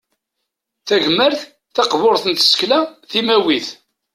Tagmert taqburt n tsekla timawit.